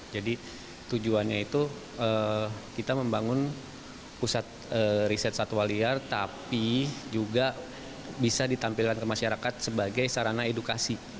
jadi tujuannya itu kita membangun pusat riset satwa liar tapi juga bisa ditampilkan ke masyarakat sebagai sarana edukasi